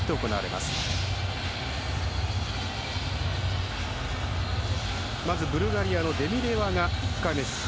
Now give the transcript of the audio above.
まずブルガリアのデミレワが１回目、失敗。